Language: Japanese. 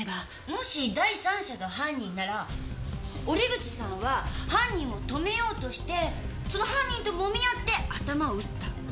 もし第三者が犯人なら折口さんは犯人を止めようとしてその犯人と揉み合って頭を打った。